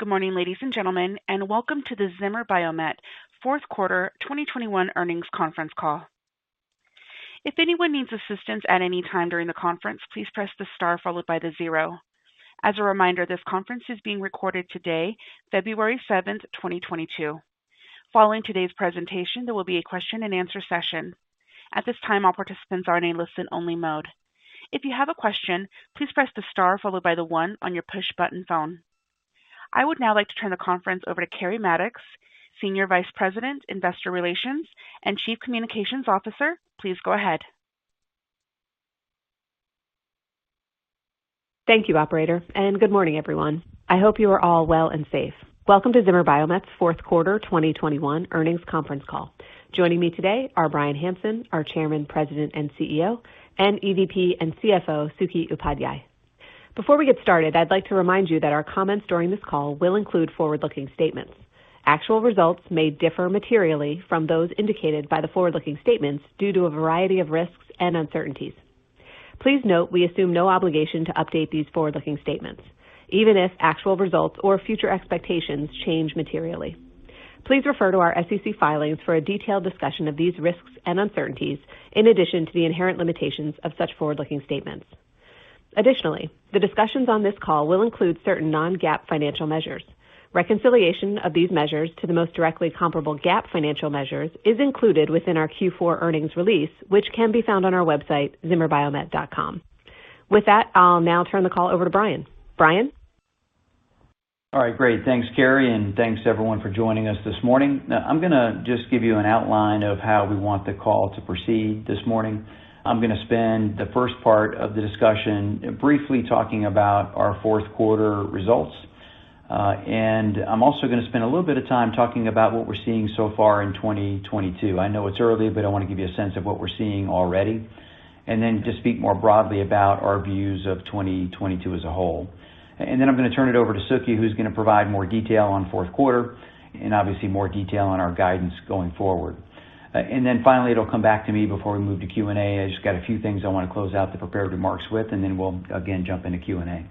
Good morning, ladies and gentlemen, and welcome to the Zimmer Biomet Q4 2021 earnings conference call. If anyone needs assistance at any time during the conference, please press the star followed by the zero. As a reminder, this conference is being recorded today, February 7th, 2022. Following today's presentation, there will be a question-and-answer session. At this time, all participants are in listen-only mode. If you have a question, please press the star followed by the one on your push button phone. I would now like to turn the conference over to Keri Mattox, Senior Vice President, Investor Relations, and Chief Communications Officer. Please go ahead. Thank you, operator, and good morning, everyone. I hope you are all well and safe. Welcome to Zimmer Biomet's Q4 2021 earnings conference call. Joining me today are Bryan Hanson, our Chairman, President, and CEO, and EVP and CFO, Suky Upadhyay. Before we get started, I'd like to remind you that our comments during this call will include forward-looking statements. Actual results may differ materially from those indicated by the forward-looking statements due to a variety of risks and uncertainties. Please note we assume no obligation to update these forward-looking statements, even if actual results or future expectations change materially. Please refer to our SEC filings for a detailed discussion of these risks and uncertainties in addition to the inherent limitations of such forward-looking statements. Additionally, the discussions on this call will include certain non-GAAP financial measures. Reconciliation of these measures to the most directly comparable GAAP financial measures is included within our Q4 earnings release, which can be found on our website, zimmerbiomet.com. With that, I'll now turn the call over to Bryan. Bryan. All right, great. Thanks, Keri, and thanks to everyone for joining us this morning. Now, I'm going to just give you an outline of how we want the call to proceed this morning. I'm going to spend the first part of the discussion briefly talking about our Q4 results. I'm also going to spend a little bit of time talking about what we're seeing so far in 2022. I know it's early, but I want to give you a sense of what we're seeing already. Then just speak more broadly about our views of 2022 as a whole. Then I'm going to turn it over to Suky, who's going to provide more detail on Q4 and obviously more detail on our guidance going forward. Then finally, it'll come back to me before we move to Q&A. I just got a few things I want to close out the prepared remarks with, and then we'll again jump into Q&A.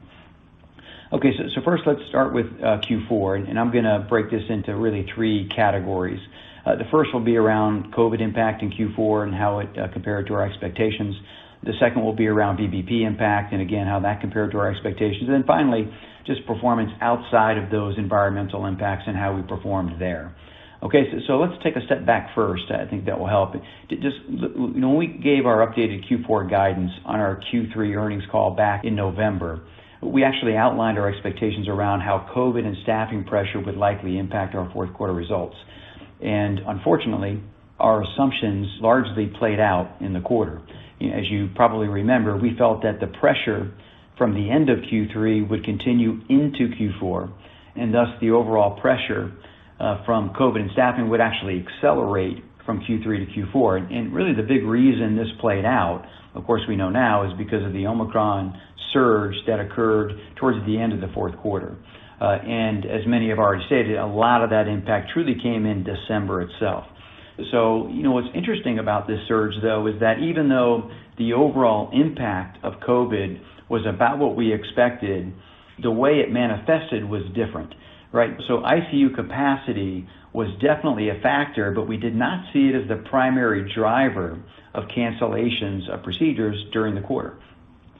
Okay. First let's start with Q4, and I'm going to break this into really three categories. The first will be around COVID impact in Q4 and how it compared to our expectations. The second will be around VBP impact and again, how that compared to our expectations. Finally, just performance outside of those environmental impacts and how we performed there. Okay. Let's take a step back first. I think that will help. When we gave our updated Q4 guidance on our Q3 earnings call back in November, we actually outlined our expectations around how COVID and staffing pressure would likely impact our Q4 results. Unfortunately, our assumptions largely played out in the quarter. As you probably remember, we felt that the pressure from the end of Q3 would continue into Q4, and thus the overall pressure from COVID and staffing would actually accelerate from Q3 to Q4. Really the big reason this played out, of course, we know now, is because of the Omicron surge that occurred towards the end of the Q4. As many have already stated, a lot of that impact truly came in December itself. You know, what's interesting about this surge, though, is that even though the overall impact of COVID was about what we expected, the way it manifested was different, right? ICU capacity was definitely a factor, but we did not see it as the primary driver of cancellations of procedures during the quarter.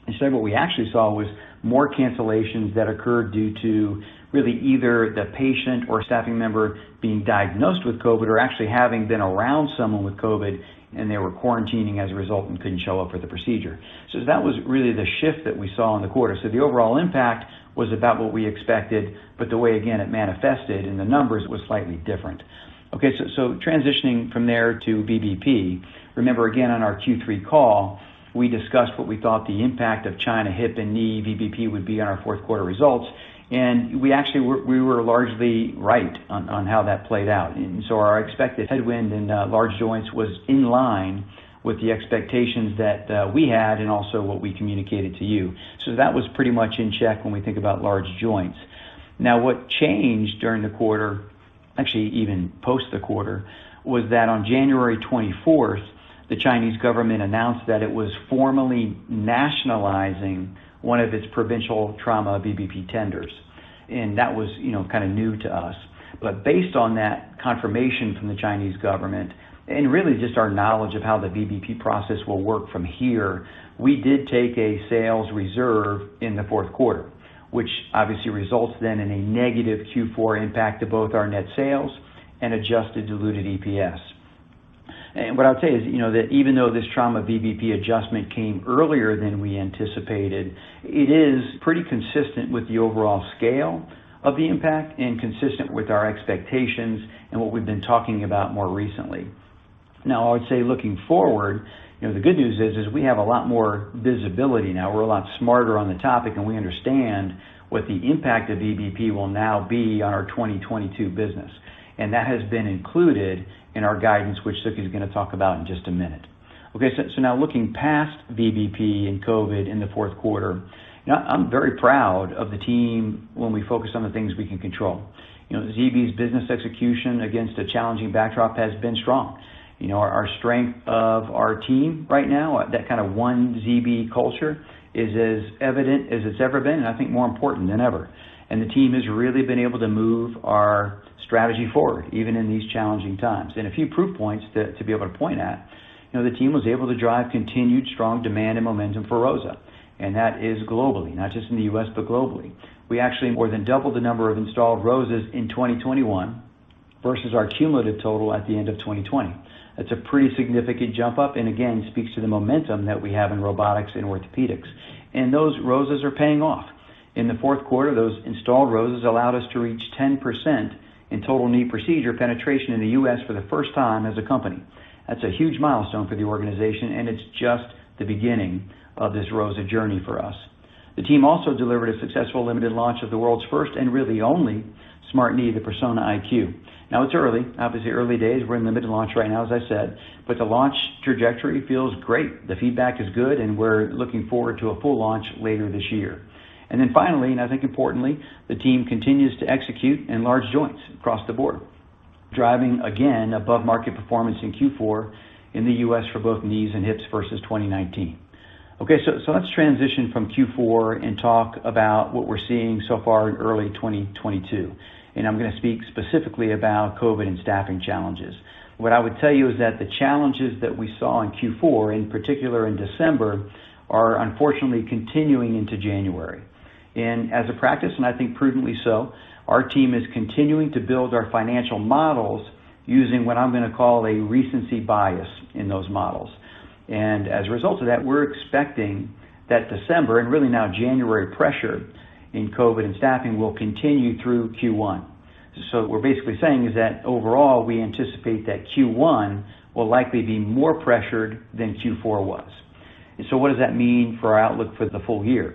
Instead, what we actually saw was more cancellations that occurred due to really either the patient or staffing member being diagnosed with COVID or actually having been around someone with COVID, and they were quarantining as a result and couldn't show up for the procedure. That was really the shift that we saw in the quarter. The overall impact was about what we expected, but the way, again, it manifested in the numbers was slightly different. Okay. Transitioning from there to VBP. Remember, again, on our Q3 call, we discussed what we thought the impact of China hip and knee VBP would be on our Q4 results, and we actually were largely right on how that played out. Our expected headwind in large joints was in line with the expectations that we had and also what we communicated to you. That was pretty much in check when we think about large joints. Now, what changed during the quarter, actually even post the quarter, was that on January 24th, the Chinese government announced that it was formally nationalizing one of its provincial trauma VBP tenders, and that was, you know, kind of new to us. Based on that confirmation from the Chinese government and really just our knowledge of how the VBP process will work from here, we did take a sales reserve in the Q4, which obviously results then in a negative Q4 impact to both our net sales and adjusted diluted EPS. What I'll tell you is, you know, that even though this trauma VBP adjustment came earlier than we anticipated, it is pretty consistent with the overall scale of the impact and consistent with our expectations and what we've been talking about more recently. Now, I would say looking forward, you know, the good news is we have a lot more visibility now. We're a lot smarter on the topic, and we understand what the impact of VBP will now be on our 2022 business. And that has been included in our guidance, which Suky's going to talk about in just a minute. Okay. Now looking past VBP and COVID in the Q4. Now, I'm very proud of the team when we focus on the things we can control. You know, ZB's business execution against a challenging backdrop has been strong. You know, our strength of our team right now, that kind of one ZB culture is as evident as it's ever been, and I think more important than ever. The team has really been able to move our strategy forward, even in these challenging times. A few proof points to be able to point at. You know, the team was able to drive continued strong demand and momentum for ROSA, and that is globally, not just in the U.S., but globally. We actually more than doubled the number of installed ROSAs in 2021 versus our cumulative total at the end of 2020. That's a pretty significant jump up and again, speaks to the momentum that we have in robotics and orthopedics. Those ROSAs are paying off. In the Q4, those installed ROSAs allowed us to reach 10% in total knee procedure penetration in the U.S. for the first time as a company. That's a huge milestone for the organization, and it's just the beginning of this ROSA journey for us. The team also delivered a successful limited launch of the world's first and really only smart knee, the Persona IQ. Now it's early. Obviously early days. We're in limited launch right now, as I said, but the launch trajectory feels great. The feedback is good, and we're looking forward to a full launch later this year. Finally, and I think importantly, the team continues to execute in large joints across the board, driving again above market performance in Q4 in the U.S. for both knees and hips versus 2019. Okay, let's transition from Q4 and talk about what we're seeing so far in early 2022, and I'm going to speak specifically about COVID and staffing challenges. What I would tell you is that the challenges that we saw in Q4, in particular in December, are unfortunately continuing into January. As a practice, and I think prudently so, our team is continuing to build our financial models using what I'm going to call a recency bias in those models. As a result of that, we're expecting that December and really now January pressure in COVID and staffing will continue through Q1. What we're basically saying is that overall, we anticipate that Q1 will likely be more pressured than Q4 was. What does that mean for our outlook for the full year?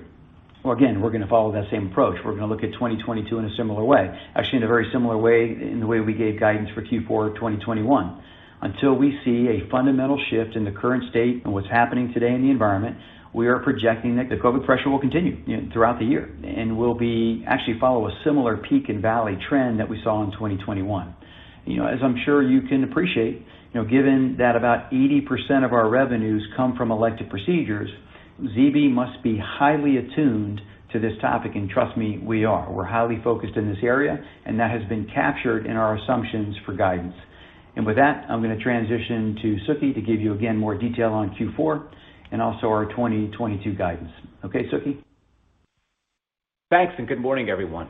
Well, again, we're going to follow that same approach. We're going to look at 2022 in a similar way. Actually, in a very similar way in the way we gave guidance for Q4 of 2021. Until we see a fundamental shift in the current state and what's happening today in the environment, we are projecting that the COVID pressure will continue, you know, throughout the year and will actually follow a similar peak and valley trend that we saw in 2021. You know, as I'm sure you can appreciate, you know, given that about 80% of our revenues come from elective procedures, ZB must be highly attuned to this topic, and trust me, we are. We're highly focused in this area, and that has been captured in our assumptions for guidance. With that, I'm going to transition to Suky to give you again more detail on Q4 and also our 2022 guidance. Okay, Suky. Thanks, and good morning, everyone.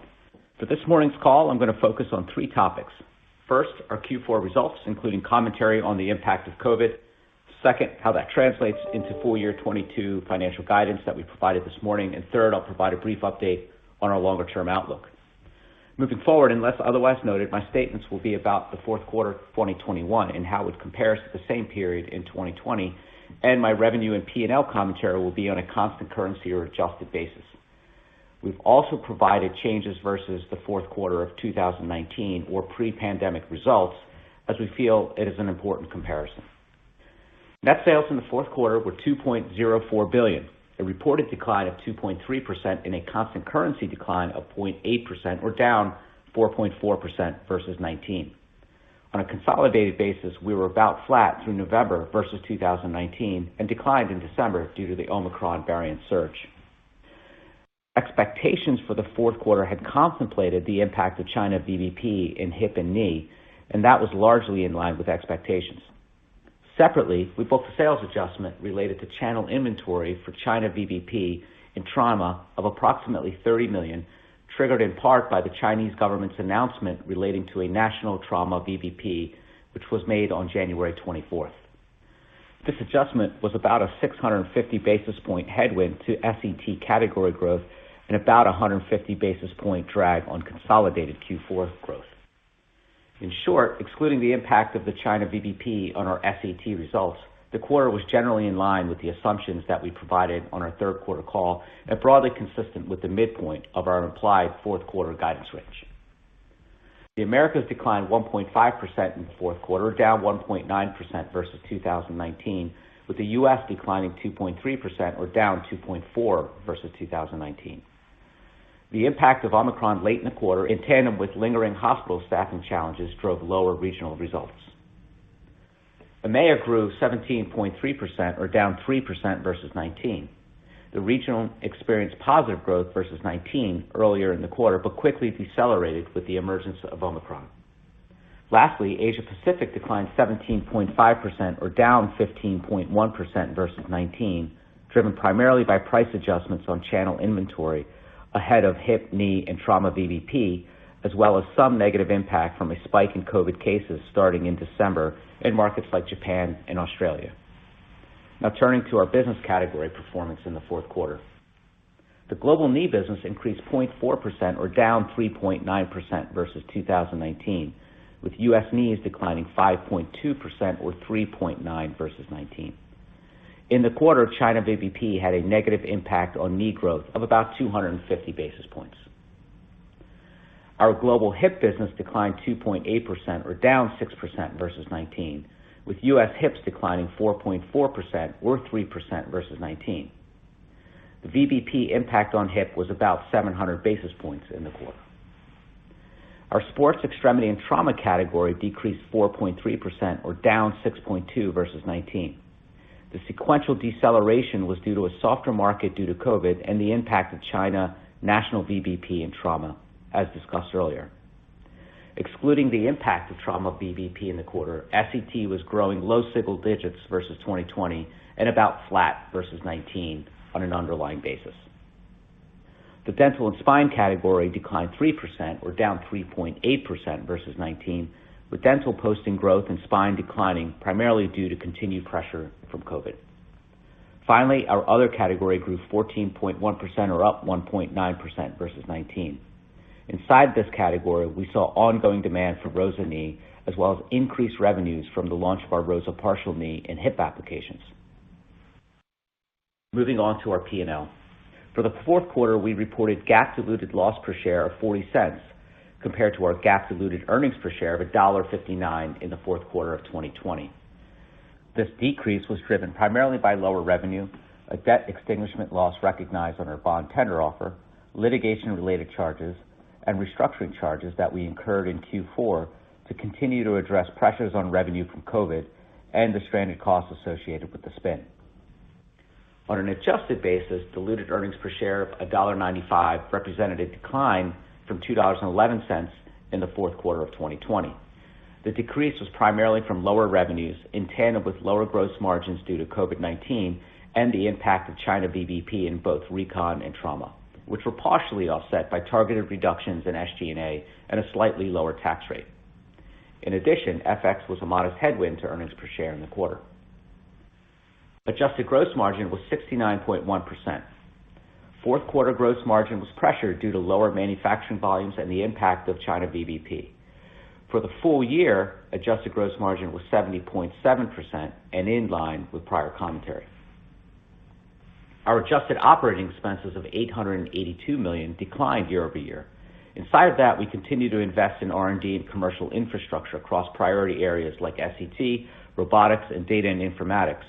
For this morning's call, I'm going to focus on three topics. First, our Q4 results, including commentary on the impact of COVID. Second, how that translates into full year 2022 financial guidance that we provided this morning. Third, I'll provide a brief update on our longer term outlook. Moving forward, unless otherwise noted, my statements will be about the Q4 of 2021 and how it compares to the same period in 2020. My revenue and P&L commentary will be on a constant currency or adjusted basis. We've also provided changes versus the Q4 of 2019 or pre-pandemic results as we feel it is an important comparison. Net sales in the Q4 were $2.04 billion. A reported decline of 2.3% and a constant currency decline of 0.8% or down 4.4% versus 2019. On a consolidated basis, we were about flat through November versus 2019 and declined in December due to the Omicron variant surge. Expectations for the Q4 had contemplated the impact of China VBP in hip and knee, and that was largely in line with expectations. Separately, we booked a sales adjustment related to channel inventory for China VBP in trauma of approximately $30 million, triggered in part by the Chinese government's announcement relating to a national trauma VBP, which was made on January 24. This adjustment was about a 650 basis point headwind to SET category growth and about a 150 basis point drag on consolidated Q4 growth. In short, excluding the impact of the China VBP on our SET results, the quarter was generally in line with the assumptions that we provided on our Q3 call and broadly consistent with the midpoint of our implied Q4 guidance range. The Americas declined 1.5% in the Q4, down 1.9% versus 2019, with the U.S. declining 2.3% or down 2.4 versus 2019. The impact of Omicron late in the quarter, in tandem with lingering hospital staffing challenges, drove lower regional results. EMEA grew 17.3% or down 3% versus 2019. The region experienced positive growth versus 2019 earlier in the quarter, but quickly decelerated with the emergence of Omicron. Lastly, Asia Pacific declined 17.5% or down 15.1% versus 2019, driven primarily by price adjustments on channel inventory ahead of hip, knee, and trauma VBP, as well as some negative impact from a spike in COVID cases starting in December in markets like Japan and Australia. Now turning to our business category performance in the Q4. The global knee business increased 0.4% or down 3.9% versus 2019, with U.S. knees declining 5.2% or 3.9% versus 2019. In the quarter, China VBP had a negative impact on knee growth of about 250 basis points. Our global hip business declined 2.8% or down 6% versus 2019, with U.S. hips declining 4.4% or 3% versus 2019. The VBP impact on hip was about 700 basis points in the quarter. Our sports extremity and trauma category decreased 4.3% or down 6.2% versus 2019. The sequential deceleration was due to a softer market due to COVID and the impact of China national VBP and trauma, as discussed earlier. Excluding the impact of trauma VBP in the quarter, SET was growing low single digits versus 2020 and about flat versus 2019 on an underlying basis. The dental and spine category declined 3% or down 3.8% versus 2019, with dental posting growth and spine declining primarily due to continued pressure from COVID. Finally, our other category grew 14.1% or up 1.9% versus 2019. Inside this category, we saw ongoing demand for ROSA Knee as well as increased revenues from the launch of our ROSA Partial Knee and hip applications. Moving on to our P&L. For the Q4, we reported GAAP diluted loss per share of $0.40 compared to our GAAP diluted earnings per share of $1.59 in the Q4 of 2020. This decrease was driven primarily by lower revenue, a debt extinguishment loss recognized on our bond tender offer, litigation-related charges, and restructuring charges that we incurred in Q4 to continue to address pressures on revenue from COVID and the stranded costs associated with the spin. On an adjusted basis, diluted earnings per share of $1.95 represented a decline from $2.11 in the Q4 of 2020. The decrease was primarily from lower revenues in tandem with lower gross margins due to COVID-19 and the impact of China VBP in both recon and trauma, which were partially offset by targeted reductions in SG&A and a slightly lower tax rate. In addition, FX was a modest headwind to earnings per share in the quarter. Adjusted gross margin was 69.1%. Q4 gross margin was pressured due to lower manufacturing volumes and the impact of China VBP. For the full year, adjusted gross margin was 70.7% and in line with prior commentary. Our adjusted operating expenses of $882 million declined year over year. Inside of that, we continue to invest in R&D and commercial infrastructure across priority areas like SET, robotics, and data and informatics,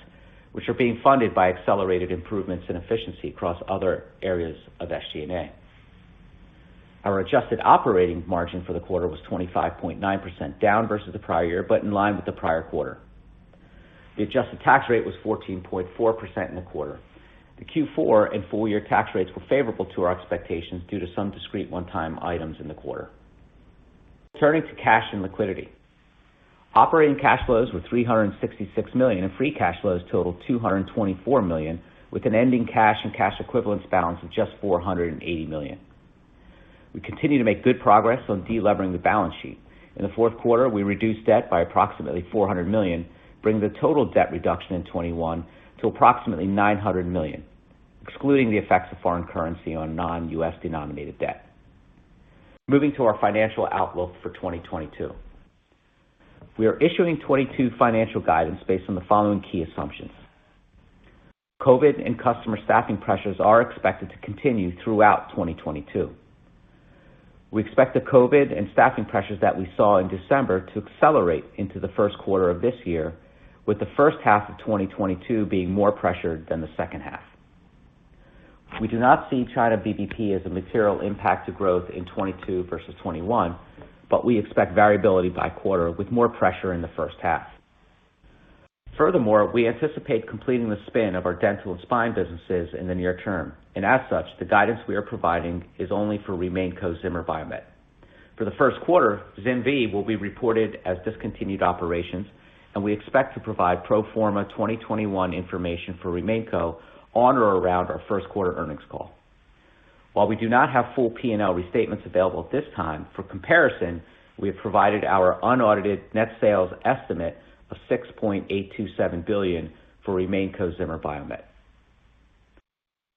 which are being funded by accelerated improvements in efficiency across other areas of SG&A. Our adjusted operating margin for the quarter was 25.9% down versus the prior year, but in line with the prior quarter. The adjusted tax rate was 14.4% in the quarter. The Q4 and full year tax rates were favorable to our expectations due to some discrete one-time items in the quarter. Turning to cash and liquidity. Operating cash flows were $366 million, and free cash flows totaled $224 million, with an ending cash and cash equivalents balance of just $480 million. We continue to make good progress on delevering the balance sheet. In the Q4, we reduced debt by approximately $400 million, bringing the total debt reduction in 2021 to approximately $900 million, excluding the effects of foreign currency on non-U.S. denominated debt. Moving to our financial outlook for 2022. We are issuing 2022 financial guidance based on the following key assumptions. COVID and customer staffing pressures are expected to continue throughout 2022. We expect the COVID and staffing pressures that we saw in December to accelerate into the Q1 of this year, with the H1 of 2022 being more pressured than the H2. We do not see China VBP as a material impact to growth in 2022 versus 2021, but we expect variability by quarter with more pressure in the H1. Furthermore, we anticipate completing the spin of our dental and spine businesses in the near term, and as such, the guidance we are providing is only for RemainCo Zimmer Biomet. For the Q1, ZimVie will be reported as discontinued operations, and we expect to provide pro forma 2021 information for RemainCo on or around our Q1 earnings call. While we do not have full P&L restatements available at this time, for comparison, we have provided our unaudited net sales estimate of $6.827 billion for RemainCo Zimmer Biomet.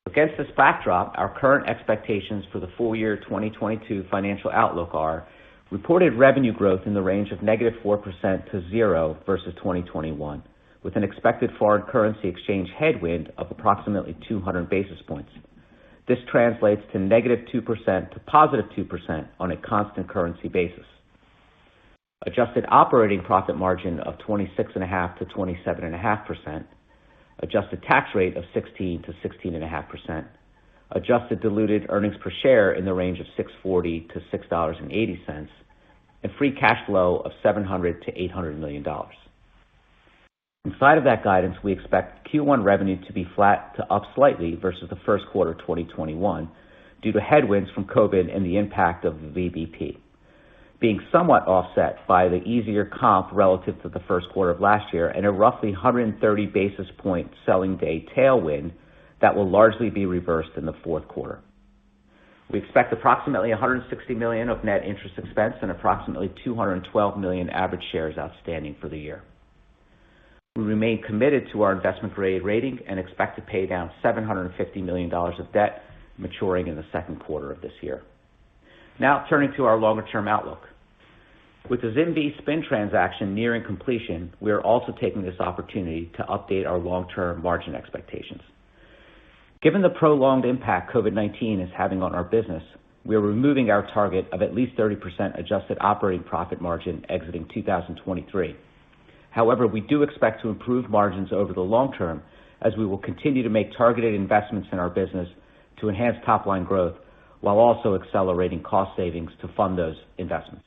Against this backdrop, our current expectations for the full year 2022 financial outlook are reported revenue growth in the range of -4%-0% versus 2021, with an expected foreign currency exchange headwind of approximately 200 basis points. This translates to -2% to +2% on a constant currency basis. Adjusted operating profit margin of 26.5%-27.5%. Adjusted tax rate of 16%-16.5%. Adjusted diluted earnings per share in the range of $6.40-$6.80. Free cash flow of $700 million-$800 million. Inside of that guidance, we expect Q1 revenue to be flat to up slightly versus the Q1 of 2021 due to headwinds from COVID and the impact of VBP, being somewhat offset by the easier comp relative to the Q1 of last year and a roughly 130 basis point selling day tailwind that will largely be reversed in the Q4. We expect approximately $160 million of net interest expense and approximately 212 million average shares outstanding for the year. We remain committed to our investment-grade rating and expect to pay down $750 million of debt maturing in the Q2 of this year. Now turning to our longer-term outlook. With the ZimVie spin transaction nearing completion, we are also taking this opportunity to update our long-term margin expectations. Given the prolonged impact COVID-19 is having on our business, we are removing our target of at least 30% adjusted operating profit margin exiting 2023. However, we do expect to improve margins over the long term as we will continue to make targeted investments in our business to enhance top line growth while also accelerating cost savings to fund those investments.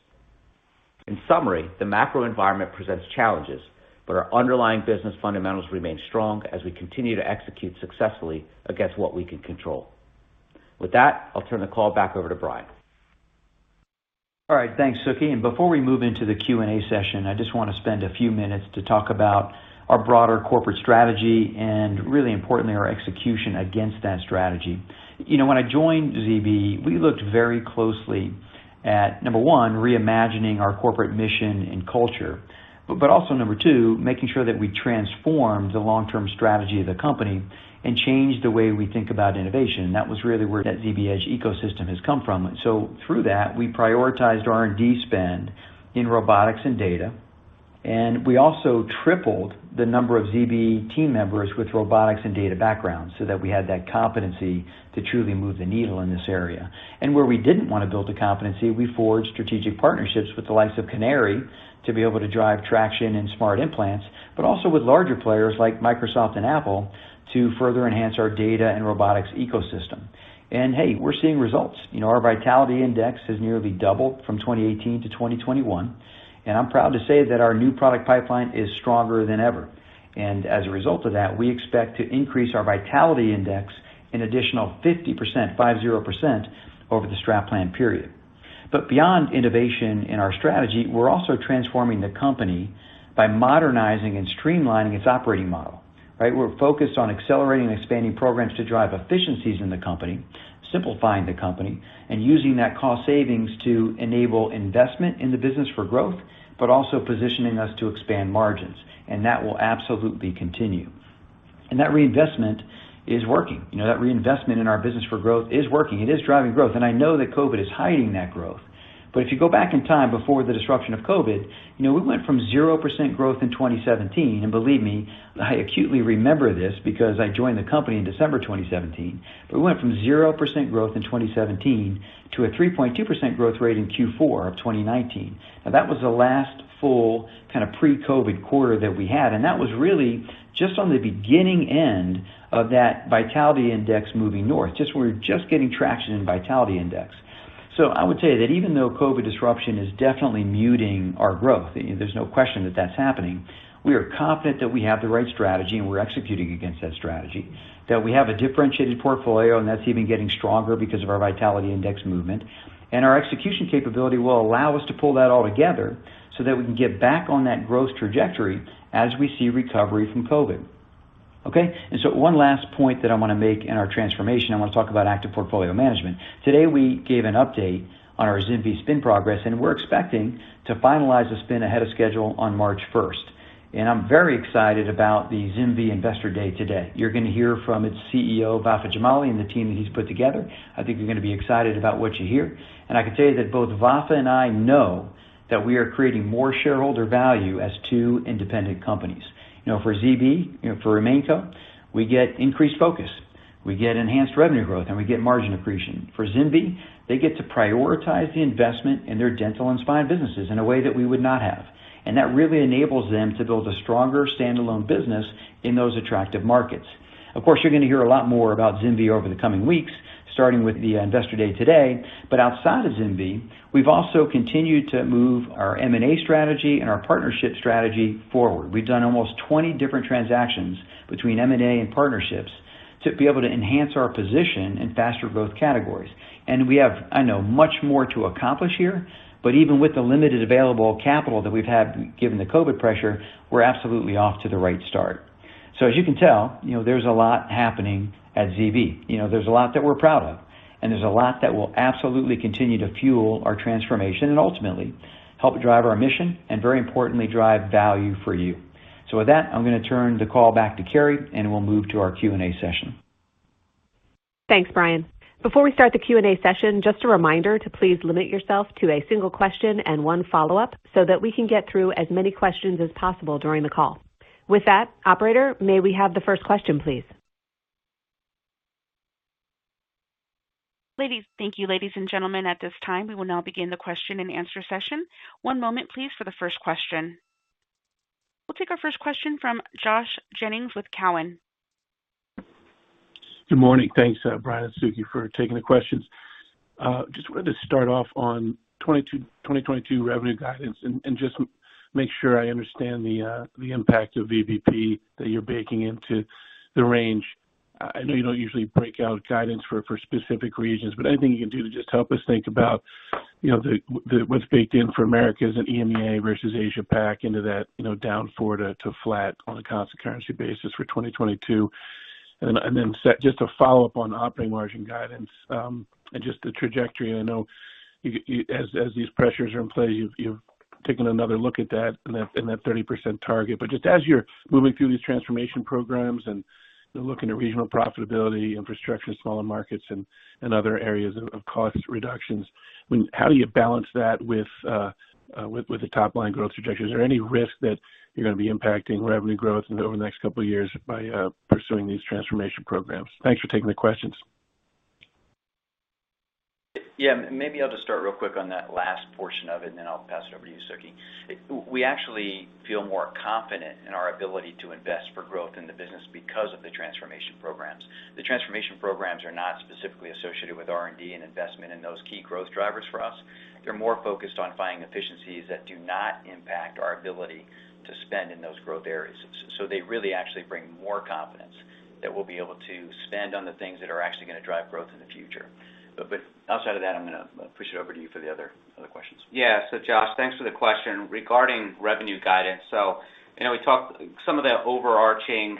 In summary, the macro environment presents challenges, but our underlying business fundamentals remain strong as we continue to execute successfully against what we can control. With that, I'll turn the call back over to Bryan. All right, thanks, Suky. Before we move into the Q&A session, I just want to spend a few minutes to talk about our broader corporate strategy and really importantly, our execution against that strategy. You know, when I joined ZB, we looked very closely at, number one, reimagining our corporate mission and culture. But also number two, making sure that we transformed the long-term strategy of the company and changed the way we think about innovation. That was really where that ZBEdge ecosystem has come from. Through that, we prioritized R&D spend in robotics and data, and we also tripled the number of ZB team members with robotics and data backgrounds so that we had that competency to truly move the needle in this area. Where we didn't want to build the competency, we forged strategic partnerships with the likes of Canary to be able to drive traction in smart implants, but also with larger players like Microsoft and Apple to further enhance our data and robotics ecosystem. Hey, we're seeing results. You know, our vitality index has nearly doubled from 2018 to 2021. I'm proud to say that our new product pipeline is stronger than ever. As a result of that, we expect to increase our vitality index an additional 50%, 50%, over the Strat plan period. Beyond innovation in our strategy, we're also transforming the company by modernizing and streamlining its operating model, right? We're focused on accelerating and expanding programs to drive efficiencies in the company, simplifying the company, and using that cost savings to enable investment in the business for growth, but also positioning us to expand margins. That will absolutely continue. That reinvestment is working. You know, that reinvestment in our business for growth is working. It is driving growth. I know that COVID is hiding that growth. If you go back in time before the disruption of COVID, you know, we went from 0% growth in 2017, and believe me, I acutely remember this because I joined the company in December 2017. We went from 0% growth in 2017 to a 3.2% growth rate in Q4 of 2019. Now, that was the last full kind of pre-COVID quarter that we had, and that was really just on the beginning end of that vitality index moving north, just where we're just getting traction in vitality index. I would say that even though COVID disruption is definitely muting our growth, there's no question that that's happening. We are confident that we have the right strategy and we're executing against that strategy, that we have a differentiated portfolio, and that's even getting stronger because of our vitality index movement. Our execution capability will allow us to pull that all together so that we can get back on that growth trajectory as we see recovery from COVID. Okay? One last point that I want to make in our transformation, I want to talk about active portfolio management. Today, we gave an update on our ZimVie spin progress, and we're expecting to finalize the spin ahead of schedule on March first. I'm very excited about the ZimVie Investor Day today. You're going to hear from its CEO, Vafa Jamali, and the team that he's put together. I think you're going to be excited about what you hear. I can tell you that both Vafa and I know that we are creating more shareholder value as two independent companies. You know, for ZB, you know, for RemainCo, we get increased focus, we get enhanced revenue growth, and we get margin accretion. For ZimVie, they get to prioritize the investment in their dental and spine businesses in a way that we would not have. That really enables them to build a stronger standalone business in those attractive markets. Of course, you're going to hear a lot more about ZimVie over the coming weeks, starting with the Investor Day today. Outside of ZimVie, we've also continued to move our M&A strategy and our partnership strategy forward. We've done almost 20 different transactions between M&A and partnerships to be able to enhance our position in faster growth categories. We have, I know, much more to accomplish here, but even with the limited available capital that we've had, given the COVID pressure, we're absolutely off to the right start. As you can tell, you know, there's a lot happening at ZB. You know, there's a lot that we're proud of, and there's a lot that will absolutely continue to fuel our transformation and ultimately help drive our mission and very importantly, drive value for you. With that, I'm going to turn the call back to Keri, and we'll move to our Q&A session. Thanks, Bryan. Before we start the Q&A session, just a reminder to please limit yourself to a single question and one follow-up so that we can get through as many questions as possible during the call. With that, operator, may we have the first question, please? Thank you, ladies and gentlemen. At this time, we will now begin the question and answer session. One moment, please, for the first question. We'll take our first question from Joshua Jennings with Cowen. Good morning. Thanks, Bryan and Suky for taking the questions. Just wanted to start off on 2022 revenue guidance and just make sure I understand the impact of VBP that you're baking into the range. I know you don't usually break out guidance for specific regions, but anything you can do to just help us think about, you know, what's baked in for Americas and EMEA versus Asia PAC into that, you know, down 4% to flat on a constant currency basis for 2022. Then just a follow-up on operating margin guidance and just the trajectory. I know as these pressures are in play, you've taken another look at that and that 30% target. Just as you're moving through these transformation programs and you're looking at regional profitability, infrastructure in smaller markets and other areas of cost reductions, how do you balance that with the top line growth trajectory? Is there any risk that you're going to be impacting revenue growth over the next couple of years by pursuing these transformation programs? Thanks for taking the questions. Yeah, maybe I'll just start really quick on that last portion of it, and then I'll pass it over to you, Suky. We actually feel more confident in our ability to invest for growth in the business because of the transformation programs. The transformation programs are not specifically associated with R&D and investment in those key growth drivers for us. They're more focused on finding efficiencies that do not impact our ability to spend in those growth areas. They really actually bring more confidence that we'll be able to spend on the things that are actually going to drive growth in the future. Outside of that, I'm going to push it over to you for the other questions. Yeah. Josh, thanks for the question. Regarding revenue guidance, you know, some of the overarching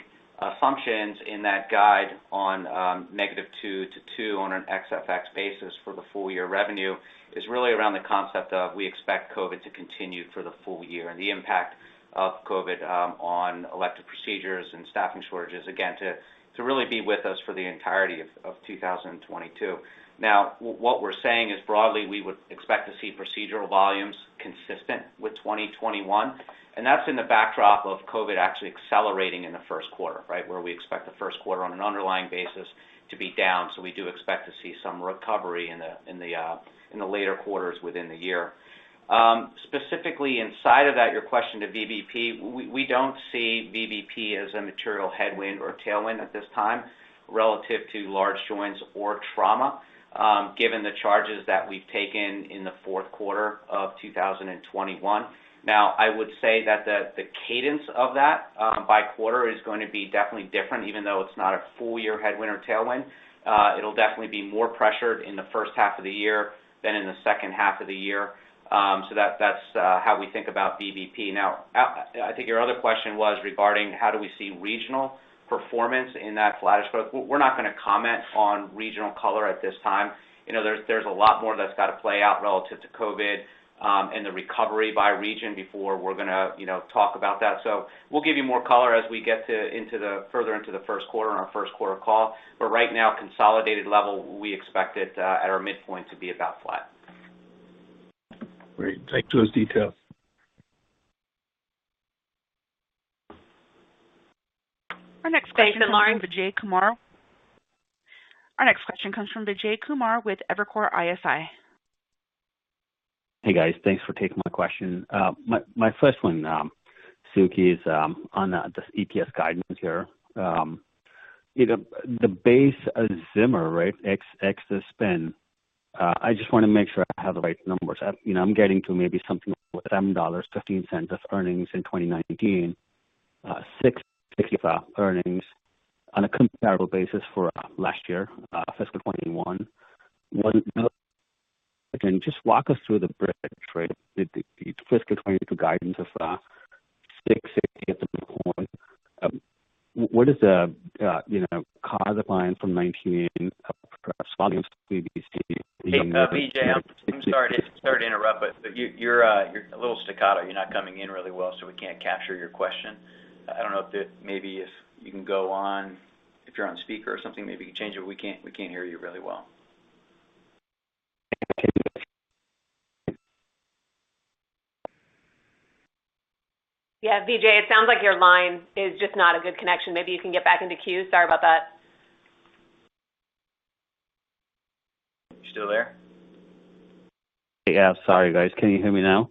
factors in that guide on -2% to 2% on an XFX basis for the full year revenue is really around the concept of we expect COVID to continue for the full year, and the impact of COVID on elective procedures and staffing shortages, again, to really be with us for the entirety of 2022. Now, what we're saying is broadly, we would expect to see procedural volumes consistent with 2021, and that's in the backdrop of COVID actually accelerating in the Q1, right? Where we expect the Q1 on an underlying basis to be down. We do expect to see some recovery in the later quarters within the year. Specifically inside of that, your question to VBP, we don't see VBP as a material headwind or tailwind at this time relative to large joints or trauma, given the charges that we've taken in the Q4 of 2021. Now, I would say that the cadence of that by quarter is going to be definitely different. Even though it's not a full year headwind or tailwind, it'll definitely be more pressured in the H1 of the year than in the H2 of the year. That's how we think about VBP. Now, I think your other question was regarding how do we see regional performance in that flattish growth. We're not going to comment on regional color at this time. You know, there's a lot more that's got to play out relative to COVID and the recovery by region before we're going to, you know, talk about that. So, we'll give you more color as we get further into the Q1 on our Q1 call. But right now, consolidated level, we expect it at our midpoint to be about flat. Great. Thanks for those details. Our next question comes from Vijay Kumar with Evercore ISI. Hey, guys. Thanks for taking my question. My first one, Suky, is on the EPS guidance here. You know, the base of Zimmer, right, ex the spin, I just want to make sure I have the right numbers. You know, I'm getting to maybe something with $7.15 of earnings in 2019, $6.50 of earnings on a comparable basis for last year, fiscal 2021. Can you just walk us through the bridge, right, the fiscal 2022 guidance of $6.50 as a whole? What is the, you know, cause of the decline from 2019, perhaps volume VBP- Hey, Vijay, I'm sorry to interrupt, but you're a little staccato. You're not coming in really well, so we can't capture your question. I don't know, maybe if you can go on. If you're on speaker or something, maybe you can change it. We can't hear you really well. Yeah, Vijay, it sounds like your line is just not a good connection. Maybe you can get back into queue. Sorry about that. You still there? Yeah. Sorry, guys. Can you hear me now?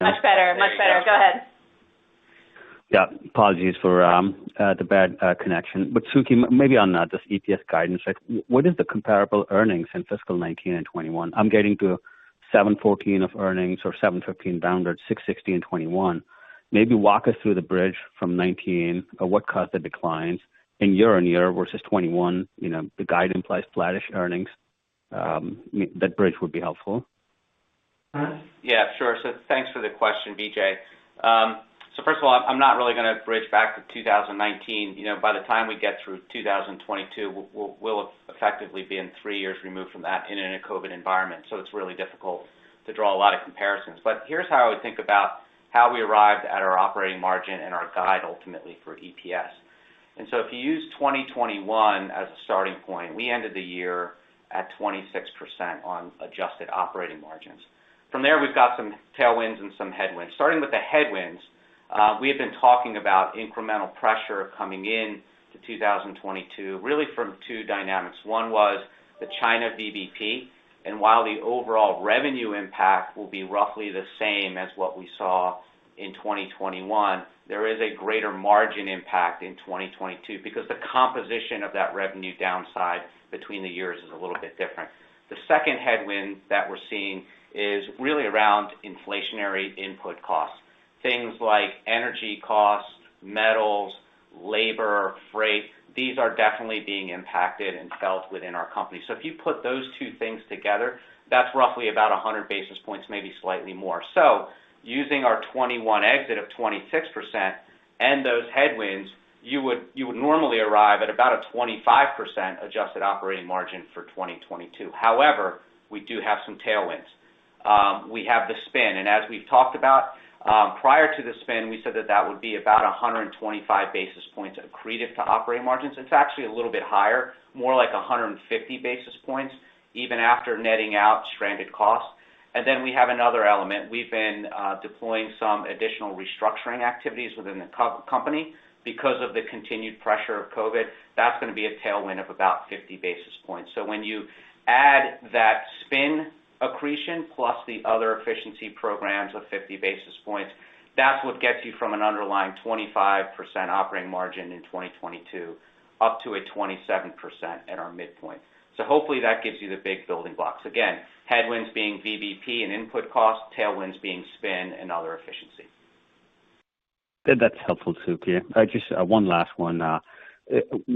Much better. Go ahead. Yeah. Apologies for the bad connection. Suky, maybe on just EPS guidance, like what is the comparable earnings in fiscal 2019 and 2021? I'm getting $7.14 of earnings or $7.15 down to $6.60 in 2021. Maybe walk us through the bridge from 2019 of what caused the declines in year-on-year versus 2021, you know, the guide implies flattish earnings. That bridge would be helpful. Yeah, sure. Thanks for the question, Vijay. First of all, I'm not really going to bridge back to 2019. You know, by the time we get through 2022, we'll effectively be in three years removed from that in a COVID environment, so it's really difficult to draw a lot of comparisons. Here's how I would think about how we arrived at our operating margin and our guide ultimately for EPS. If you use 2021 as a starting point, we ended the year at 26% on adjusted operating margins. From there, we've got some tailwinds and some headwinds. Starting with the headwinds, we have been talking about incremental pressure coming into 2022, really from two dynamics. One was the China VBP. While the overall revenue impact will be roughly the same as what we saw in 2021, there is a greater margin impact in 2022 because the composition of that revenue downside between the years is a little bit different. The second headwind that we're seeing is really around inflationary input costs. Things like energy costs, metals, labor, freight, these are definitely being impacted and felt within our company. If you put those two things together, that's roughly about 100 basis points, maybe slightly more. Using our 2021 exit of 26% and those headwinds, you would normally arrive at about a 25% adjusted operating margin for 2022. However, we do have some tailwinds. We have the spin, and as we've talked about, prior to the spin, we said that that would be about 125 basis points accretive to operating margins. It's actually a little bit higher, more like 150 basis points, even after netting out stranded costs. Then we have another element. We've been deploying some additional restructuring activities within the company because of the continued pressure of COVID. That's going to be a tailwind of about 50 basis points. When you add that spin accretion plus the other efficiency programs of 50 basis points, that's what gets you from an underlying 25% operating margin in 2022 up to a 27% at our midpoint. Hopefully that gives you the big building blocks. Again, headwinds being VBP and input costs, tailwinds being spin and other efficiency. That's helpful, Suky. Just one last one.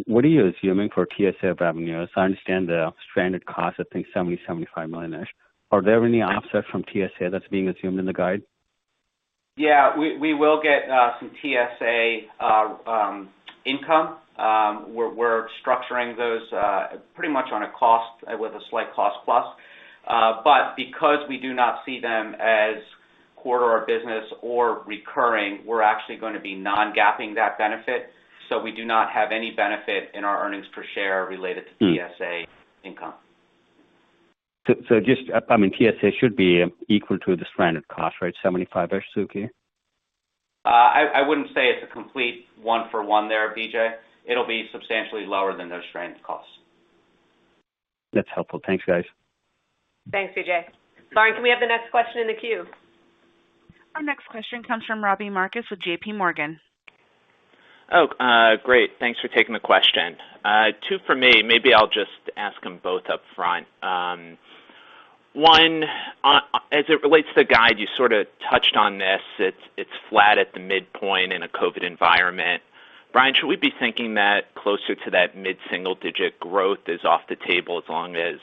What are you assuming for TSA revenues? I understand the stranded costs, I think $70-$75 million-Ish. Are there any offsets from TSA that's being assumed in the guide? Yeah, we will get some TSA income. We're structuring those pretty much on a cost with a slight cost plus. Because we do not see them as core to our business or recurring, we're actually going to be non-GAAPing that benefit. We do not have any benefit in our earnings per share related to TSA income. Just, I mean, TSA should be equal to the stranded cost, right? $75-ish, Suky? I wouldn't say it's a complete one for one there, Vijay. It'll be substantially lower than those stranded costs. That's helpful. Thanks, guys. Thanks, Vijay. Lauren, can we have the next question in the queue? Our next question comes from Robbie Marcus with J.P. Morgan. Great. Thanks for taking the question. Two from me. Maybe I'll just ask them both up front. One, as it relates to guide, you sort of touched on this, it's flat at the midpoint in a COVID environment. Bryan, should we be thinking that closer to that mid-single-digit growth is off the table as long as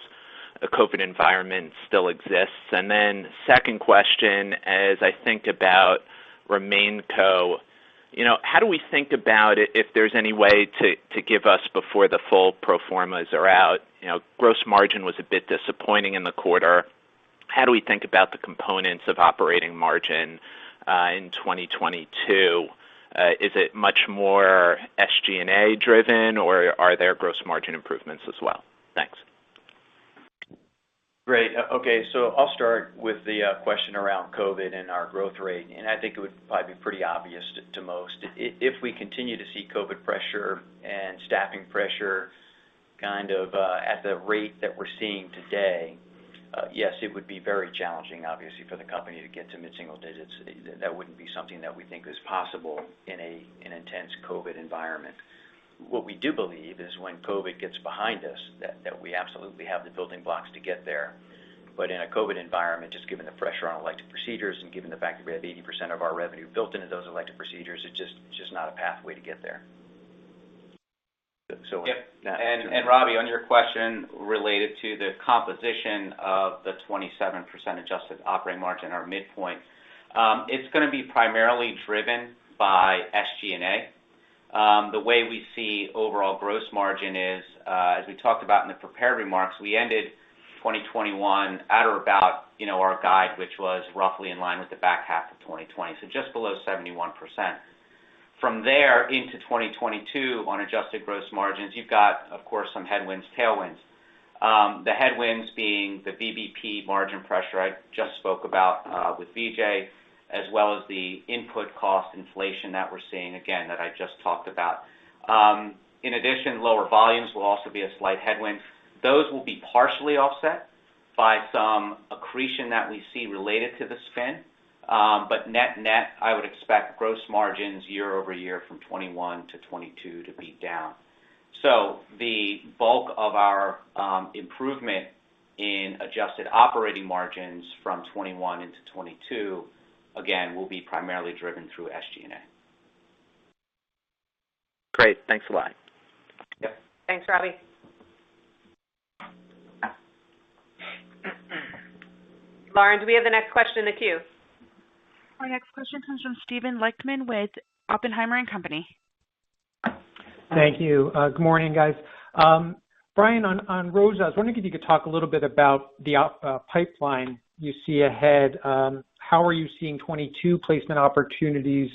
a COVID environment still exists? Then second question, as I think about RemainCo, you know, how do we think about if there's any way to give us before the full pro formas are out? You know, gross margin was a bit disappointing in the quarter. How do we think about the components of operating margin in 2022? Is it much more SG&A driven, or are there gross margin improvements as well? Thanks. Great. Okay. I'll start with the question around COVID and our growth rate, and I think it would probably be pretty obvious to most. If we continue to see COVID pressure and staffing pressure kind of at the rate that we're seeing today, yes, it would be very challenging, obviously, for the company to get to mid-single digits. That wouldn't be something that we think is possible in an intense COVID environment. What we do believe is when COVID gets behind us, that we absolutely have the building blocks to get there. In a COVID environment, just given the pressure on elective procedures and given the fact that we have 80% of our revenue built into those elective procedures, it's just not a pathway to get there. So- Yep. Robbie, on your question related to the composition of the 27% adjusted operating margin, our midpoint, it's going to be primarily driven by SG&A. The way we see overall gross margin is, as we talked about in the prepared remarks, we ended 2021 at or about, you know, our guide, which was roughly in line with the back half of 2020, so just below 71%. From there into 2022 on adjusted gross margins, you've got, of course, some headwinds, tailwinds. The headwinds being the VBP margin pressure I just spoke about, with Vijay, as well as the input cost inflation that we're seeing again, that I just talked about. In addition, lower volumes will also be a slight headwind. Those will be partially offset by some accretion that we see related to the spin. Net-net, I would expect gross margins year-over-year from 2021 to 2022 to be down. The bulk of our improvement in adjusted operating margins from 2021 into 2022, again, will be primarily driven through SG&A. Great. Thanks a lot. Yep. Thanks, Robbie. Lauren, do we have the next question in the queue? Our next question comes from Steven Lichtman with Oppenheimer & Co. Thank you. Good morning, guys. Bryan, on ROSA, I was wondering if you could talk a little bit about the pipeline you see ahead. How are you seeing 2022 placement opportunities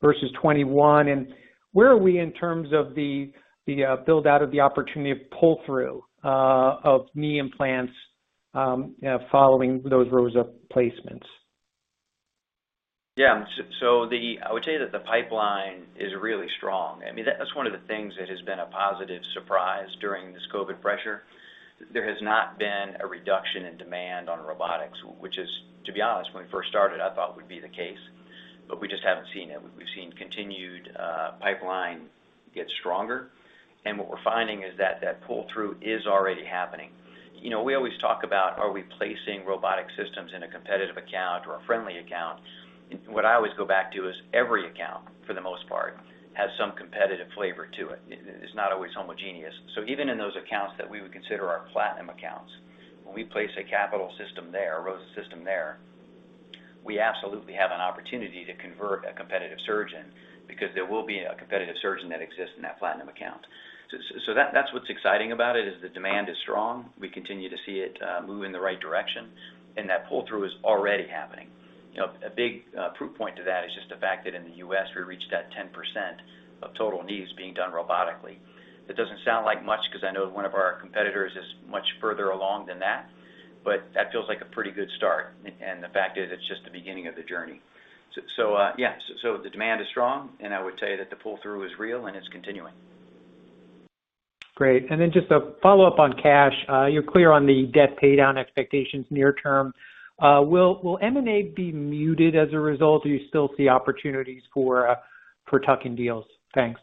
versus 2021? Where are we in terms of the build-out of the opportunity of pull-through of knee implants following those ROSA placements? I would say that the pipeline is really strong. I mean, that's one of the things that has been a positive surprise during this COVID pressure. There has not been a reduction in demand on robotics, which is, to be honest, when we first started, I thought would be the case, but we just haven't seen it. We've seen continued pipeline get stronger. What we're finding is that pull-through is already happening. You know, we always talk about are we placing robotic systems in a competitive account or a friendly account. What I always go back to is every account, for the most part, has some competitive flavor to it. It's not always homogeneous. Even in those accounts that we would consider our platinum accounts, when we place a capital system there, a ROSA system there, we absolutely have an opportunity to convert a competitive surgeon because there will be a competitive surgeon that exists in that platinum account. That's what's exciting about it, is the demand is strong. We continue to see it move in the right direction, and that pull-through is already happening. You know, a big proof point to that is just the fact that in the U.S., we reached that 10% of total knees being done robotically. That doesn't sound like much because I know one of our competitors is much further along than that, but that feels like a pretty good start. And the fact is, it's just the beginning of the journey. Yeah. The demand is strong, and I would say that the pull-through is real, and it's continuing. Great. Just a follow-up on cash. You're clear on the debt paydown expectations near term. Will M&A be muted as a result? Do you still see opportunities for tuck-in deals? Thanks.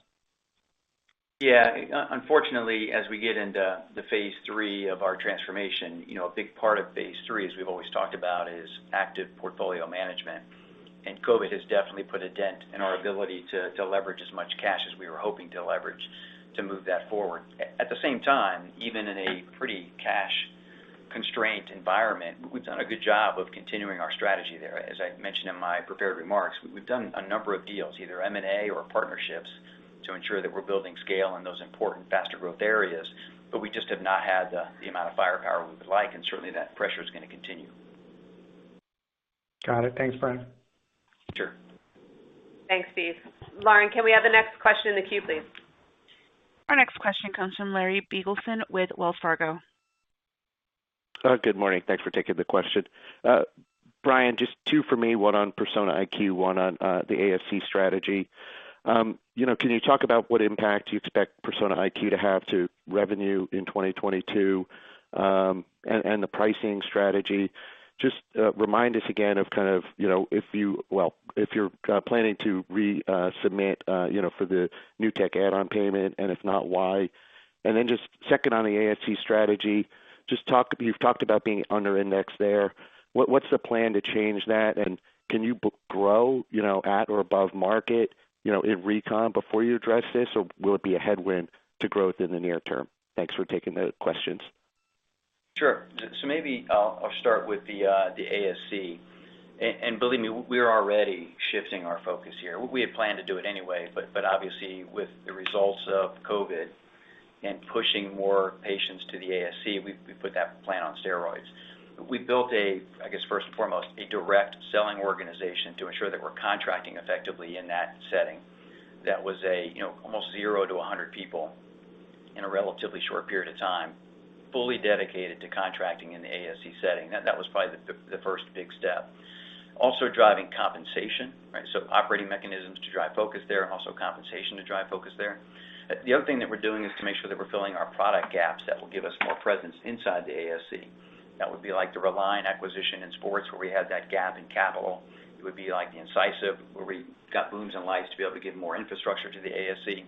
Yeah. Unfortunately, as we get into the phase three of our transformation, you know, a big part of phase three, as we've always talked about, is active portfolio management. COVID has definitely put a dent in our ability to leverage as much cash as we were hoping to leverage to move that forward. At the same time, even in a pretty cash-constrained environment, we've done a good job of continuing our strategy there. As I mentioned in my prepared remarks, we've done a number of deals, either M&A or partnerships, to ensure that we're building scale in those important faster growth areas, but we just have not had the amount of firepower we would like, and certainly that pressure is going to continue. Got it. Thanks, Bryan. Sure. Thanks, Steven. Lauren, can we have the next question in the queue, please? Our next question comes from Larry Biegelsen with Wells Fargo. Good morning. Thanks for taking the question. Bryan, just two for me, one on Persona IQ, one on the ASC strategy. You know, can you talk about what impact you expect Persona IQ to have to revenue in 2022, and the pricing strategy? Just remind us again of kind of, you know, if you're planning to resubmit, you know, for the New Technology Add-on Payment, and if not, why? Just second on the ASC strategy. You've talked about being under indexed there. What's the plan to change that? And can you grow, you know, at or above market, you know, in recon before you address this? Or will it be a headwind to growth in the near term? Thanks for taking the questions. Sure. Maybe I'll start with the ASC. Believe me, we're already shifting our focus here. We had planned to do it anyway, but obviously, with the results of COVID and pushing more patients to the ASC, we put that plan on steroids. We built, I guess, first and foremost, a direct selling organization to ensure that we're contracting effectively in that setting. That was, you know, almost 0 to 100 people in a relatively short period of time, fully dedicated to contracting in the ASC setting. That was probably the first big step. Also driving compensation, right? Operating mechanisms to drive focus there and also compensation to drive focus there. The other thing that we're doing is to make sure that we're filling our product gaps that will give us more presence inside the ASC. That would be like the Relign acquisition in sports where we had that gap in capital. It would be like the Incisive, where we got booms and lights to be able to give more infrastructure to the ASC.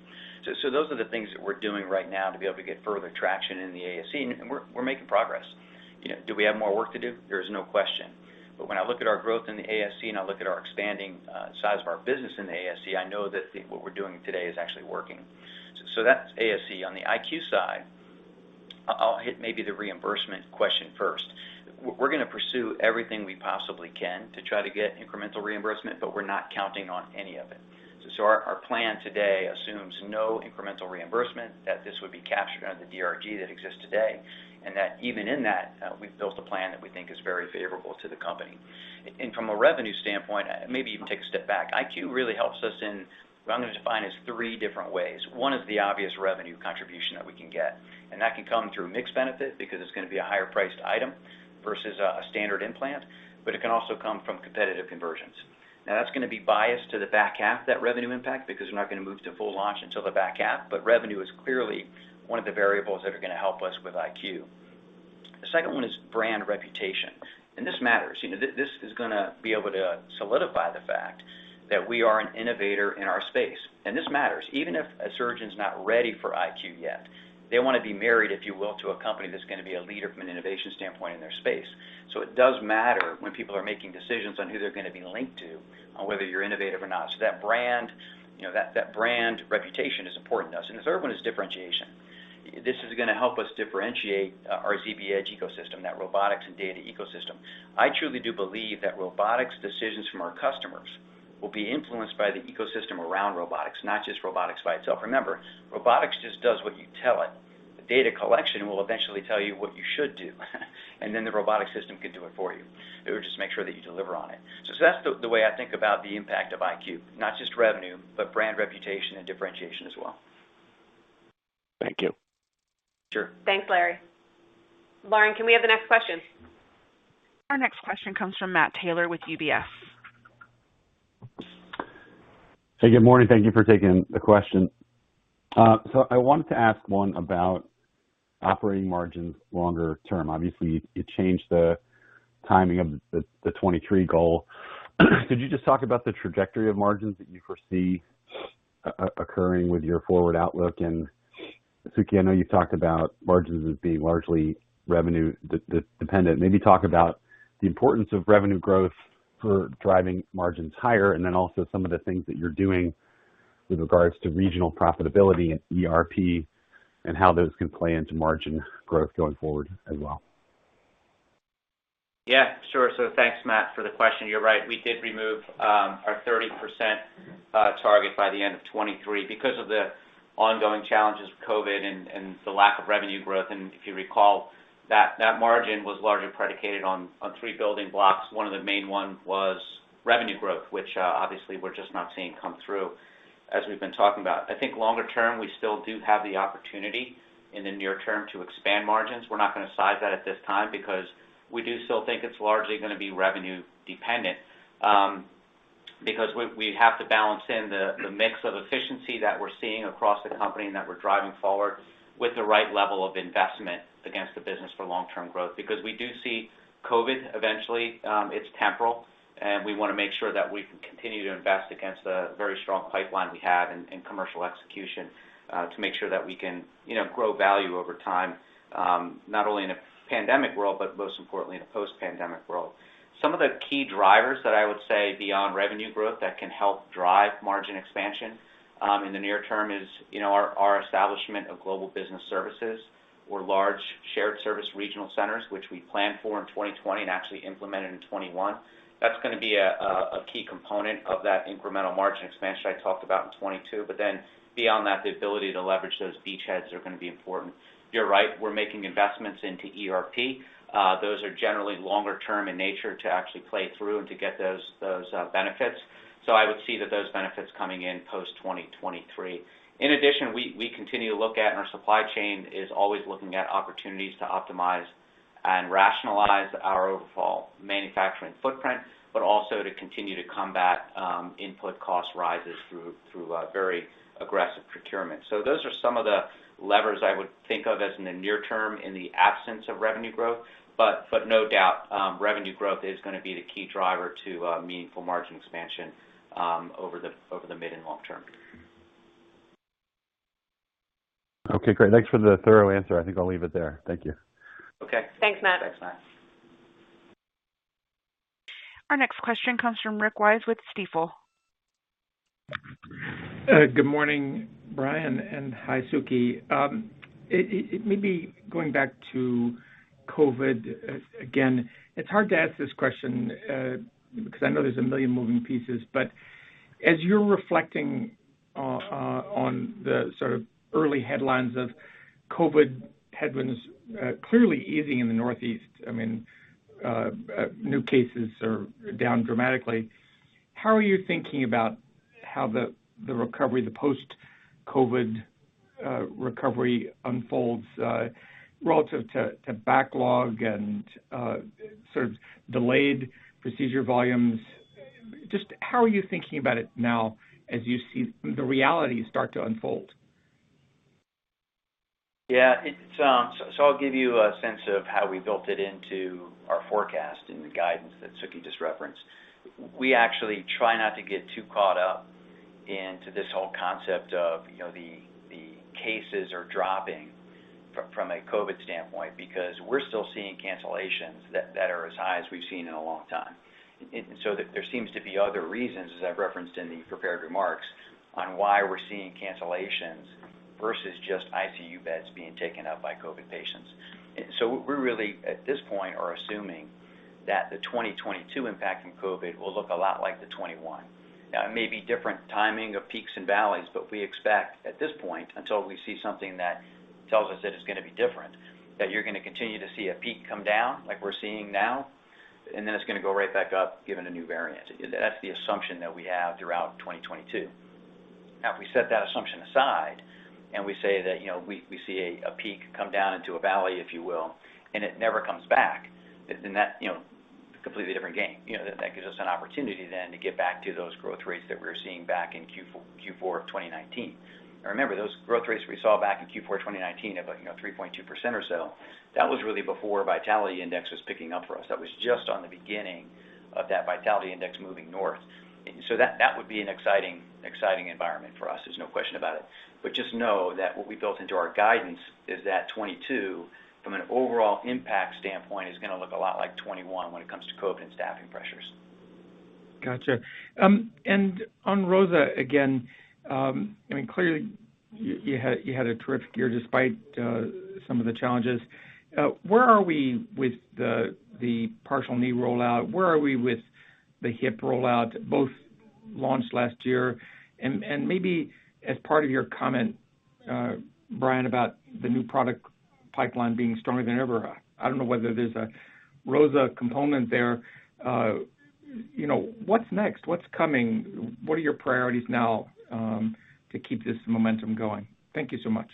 Those are the things that we're doing right now to be able to get further traction in the ASC, and we're making progress. You know, do we have more work to do? There's no question. When I look at our growth in the ASC, and I look at our expanding size of our business in the ASC, I know that what we're doing today is actually working. That's ASC. On the IQ side, I'll hit maybe the reimbursement question first. We're going to pursue everything we possibly can to try to get incremental reimbursement, but we're not counting on any of it. Our plan today assumes no incremental reimbursement, that this would be captured under the DRG that exists today, and that even in that, we've built a plan that we think is very favorable to the company. From a revenue standpoint, maybe even take a step back. IQ really helps us in what I'm going to define as three different ways. One is the obvious revenue contribution that we can get, and that can come through mix benefit because it's going to be a higher priced item versus a standard implant, but it can also come from competitive conversions. Now, that's going to be biased to the back half, that revenue impact, because we're not going to move to full launch until the back half. Revenue is clearly one of the variables that are going to help us with IQ. The second one is brand reputation, and this matters. You know, this is going to be able to solidify the fact that we are an innovator in our space, and this matters. Even if a surgeon's not ready for IQ yet, they want to be married, if you will, to a company that's going to be a leader from an innovation standpoint in their space. It does matter when people are making decisions on who they're going to be linked to on whether you're innovative or not. That brand, you know, that brand reputation is important to us. The third one is differentiation. This is going to help us differentiate our ZBEdge ecosystem, that robotics and data ecosystem. I truly do believe that robotics decisions from our customers will be influenced by the ecosystem around robotics, not just robotics by itself. Remember, robotics just does what you tell it. Data collection will eventually tell you what you should do, and then the robotic system can do it for you. It would just make sure that you deliver on it. That's the way I think about the impact of IQ, not just revenue, but brand reputation and differentiation as well. Thank you. Sure. Thanks, Larry. Lauren, can we have the next question? Our next question comes from Matt Taylor with UBS. Hey, good morning. Thank you for taking the question. So I wanted to ask one about operating margins longer term. Obviously, you changed the timing of the 2023 goal. Could you just talk about the trajectory of margins that you foresee occurring with your forward outlook? Suky, I know you've talked about margins as being largely revenue dependent. Maybe talk about the importance of revenue growth for driving margins higher, and then also some of the things that you're doing with regards to regional profitability and ERP and how those can play into margin growth going forward as well. Yeah, sure. Thanks, Matt, for the question. You're right. We did remove our 30% target by the end of 2023 because of the ongoing challenges of COVID and the lack of revenue growth. If you recall, that margin was largely predicated on three building blocks. One of the main one was revenue growth, which obviously we're just not seeing come through as we've been talking about. I think longer term, we still do have the opportunity in the near term to expand margins. We're not going to size that at this time because we do still think it's largely going to be revenue dependent. Because we have to balance the mix of efficiency that we're seeing across the company and that we're driving forward with the right level of investment against the business for long-term growth. Because we do see COVID eventually, it's temporal, and we want to make sure that we can continue to invest against the very strong pipeline we have in commercial execution, to make sure that we can, you know, grow value over time, not only in a pandemic world, but most importantly in a post-pandemic world. Some of the key drivers that I would say beyond revenue growth that can help drive margin expansion in the near term is, you know, our establishment of global business services or large shared service regional centers, which we planned for in 2020 and actually implemented in 2021. That's going to be a key component of that incremental margin expansion I talked about in 2022. Beyond that, the ability to leverage those beachheads are going to be important. You're right, we're making investments into ERP. Those are generally longer term in nature to actually play through and to get those benefits. I would see that those benefits coming in post 2023. In addition, we continue to look at, and our supply chain is always looking at opportunities to optimize and rationalize our overall manufacturing footprint, but also to continue to combat input cost rises through very aggressive procurement. Those are some of the levers I would think of as in the near term in the absence of revenue growth. No doubt, revenue growth is going to be the key driver to meaningful margin expansion over the mid and long term. Okay, great. Thanks for the thorough answer. I think I'll leave it there. Thank you. Okay. Thanks, Matt. Thanks, Matt. Our next question comes from Rick Wise with Stifel. Good morning, Bryan, and hi, Suky. Maybe going back to COVID again, it's hard to ask this question because I know there's a million moving pieces. As you're reflecting on the sort of early headlines of COVID headwinds clearly easing in the Northeast, I mean, new cases are down dramatically. How are you thinking about how the recovery, the post-COVID recovery unfolds relative to backlog and sort of delayed procedure volumes? Just how are you thinking about it now as you see the reality start to unfold? I'll give you a sense of how we built it into our forecast in the guidance that Suky just referenced. We actually try not to get too caught up into this whole concept of the cases are dropping from a COVID standpoint because we're still seeing cancellations that are as high as we've seen in a long time. There seems to be other reasons, as I've referenced in the prepared remarks, on why we're seeing cancellations versus just ICU beds being taken up by COVID patients. We're really, at this point, are assuming that the 2022 impact from COVID will look a lot like the 2021. Now, it may be different timing of peaks and valleys, but we expect, at this point, until we see something that tells us that it's going to be different, that you're going to continue to see a peak come down like we're seeing now, and then it's going to go right back up given a new variant. That's the assumption that we have throughout 2022. Now, if we set that assumption aside and we say that, you know, we see a peak come down into a valley, if you will, and it never comes back, then that, you know, completely different game. You know, that gives us an opportunity then to get back to those growth rates that we were seeing back in Q4 of 2019. Remember, those growth rates we saw back in Q4 2019 of like, you know, 3.2% or so, that was really before vitality index was picking up for us. That was just on the beginning of that Vitality Index moving north. That would be an exciting environment for us, there's no question about it. Just know that what we built into our guidance is that 2022, from an overall impact standpoint, is going to look a lot like 2021 when it comes to COVID and staffing pressures. Gotcha. And on ROSA again, I mean, clearly you had a terrific year despite some of the challenges. Where are we with the partial knee rollout? Where are we with the hip rollout, both launched last year? Maybe as part of your comment, Bryan, about the new product pipeline being stronger than ever, I don't know whether there's a ROSA component there. You know, what's next? What's coming? What are your priorities now to keep this momentum going? Thank you so much.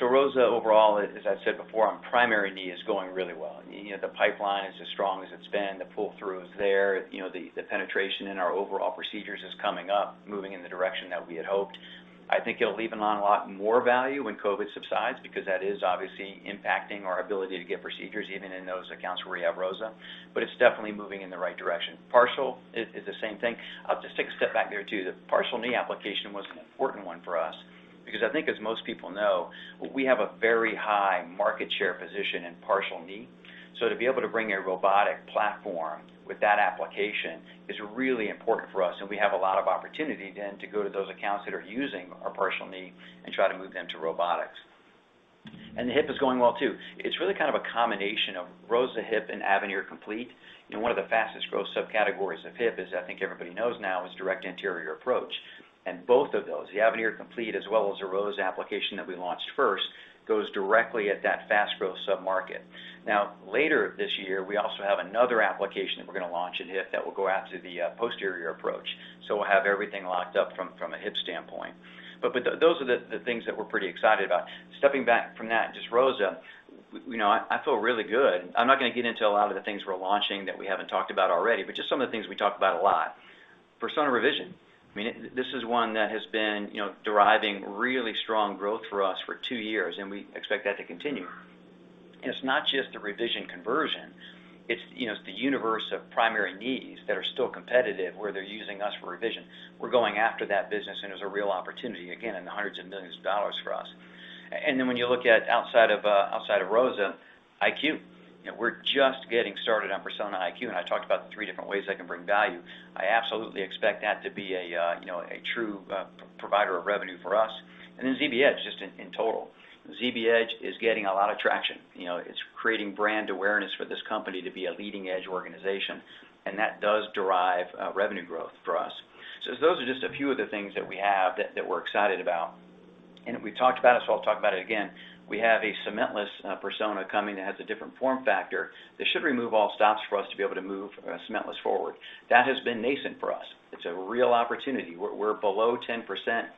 ROSA overall, as I've said before, on primary knee is going really well. You know, the pipeline is as strong as it's been. The pull-through is there. You know, the penetration in our overall procedures is coming up, moving in the direction that we had hoped. I think it'll leave a lot more value when COVID subsides because that is obviously impacting our ability to get procedures even in those accounts where we have ROSA. It's definitely moving in the right direction. Partial is the same thing. I'll just take a step back there, too. The partial knee application was an important one for us because I think as most people know, we have a very high market share position in partial knee. To be able to bring a robotic platform with that application is really important for us, and we have a lot of opportunity then to go to those accounts that are using our partial knee and try to move them to robotics. The hip is going well, too. It's really kind of a combination of ROSA Hip and Avenir Complete. You know, one of the fastest growth subcategories of hip is, I think everybody knows now, is direct anterior approach. Both of those, the Avenir Complete as well as the ROSA application that we launched first, goes directly at that fast growth sub-market. Now, later this year, we also have another application that we're going to launch in hip that will go after the posterior approach. We'll have everything locked up from a hip standpoint. Those are the things that we're pretty excited about. Stepping back from that, just ROSA. We, you know, I feel really good. I'm not going to get into a lot of the things we're launching that we haven't talked about already, but just some of the things we talked about a lot. Persona Revision. I mean, this is one that has been, you know, driving really strong growth for us for two years, and we expect that to continue. It's not just the revision conversion, it's, you know, the universe of primary needs that are still competitive where they're using us for revision. We're going after that business, and there's a real opportunity, again, in the hundreds of millions of dollars for us. Then when you look at outside of ROSA, IQ. You know, we're just getting started on Persona IQ, and I talked about the three different ways that can bring value. I absolutely expect that to be a, you know, a true provider of revenue for us. And then ZBEdge, just in total. ZBEdge is getting a lot of traction. You know, it's creating brand awareness for this company to be a leading edge organization, and that does derive revenue growth for us. So those are just a few of the things that we have that we're excited about. And we talked about it, so I'll talk about it again. We have a cementless Persona coming that has a different form factor that should remove all stops for us to be able to move cementless forward. That has been nascent for us. It's a real opportunity. We're below 10%